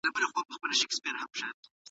ایا خواړه د عضلاتو د رغېدو لپاره مهم دي؟